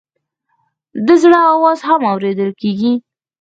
د زړه آواز هم اورېدل کېږي.